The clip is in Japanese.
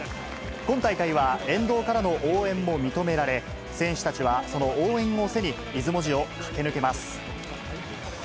今大会は、沿道からの応援も認められ、選手たちはその応援を背に、出雲路を駆け抜けます。